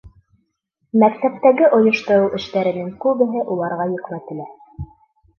Мәктәптәге ойоштороу эштәренең күбеһе уларға йөкмәтелә.